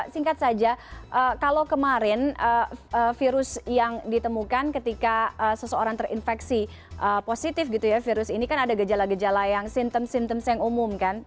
singkat saja kalau kemarin virus yang ditemukan ketika seseorang terinfeksi positif gitu ya virus ini kan ada gejala gejala yang simptom simptoms yang umum kan